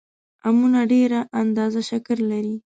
امونه ډېره اندازه شکر لري